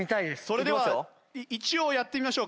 それでは一応やってみましょうか。